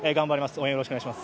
応援よろしくお願いします。